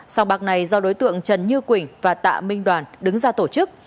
sòng bạc này do đối tượng trần như quỳnh và tạ minh đoàn đứng ra tổ chức